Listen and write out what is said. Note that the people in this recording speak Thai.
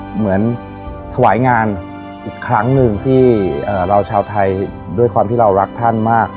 เหมือนถวายงานอีกครั้งหนึ่งที่เราชาวไทยด้วยความที่เรารักท่านมาก